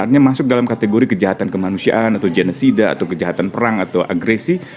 artinya masuk dalam kategori kejahatan kemanusiaan atau genesida atau kejahatan perang atau agresi